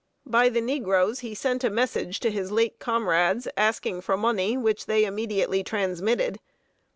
By the negroes, he sent a message to his late comrades, asking for money, which they immediately transmitted.